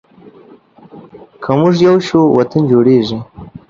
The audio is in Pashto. که مونږ یو شو، وطن جوړیږي.